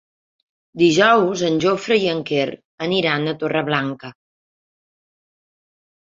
Dijous en Jofre i en Quer aniran a Torreblanca.